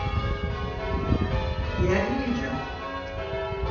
ჲა̈რ ლი ეჯა?